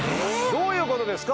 どういうことですか？